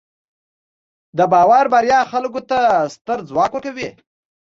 د باور بریا خلکو ته ستر ځواک ورکوي.